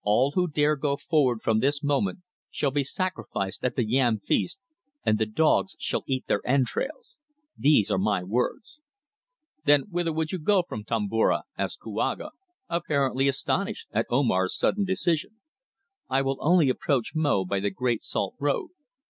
All who dare go forward from this moment shall be sacrificed at the yam feast and the dogs shall eat their entrails. These are my words." "Then whither would you go from Tomboura?" asked Kouaga, apparently astonished at Omar's sudden decision. "I will only approach Mo by the Great Salt Road."